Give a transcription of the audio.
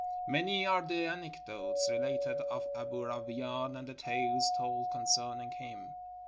Many are the anecdotes related of Aboo Rawain and the tales told concerning him.